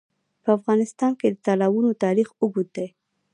په افغانستان کې د تالابونه تاریخ اوږد دی.